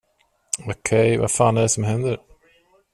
Okej, vad fan är det som händer?